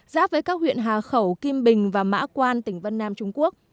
giáp với các huyện hà khẩu kim bình và mã quan tỉnh vân nam trung quốc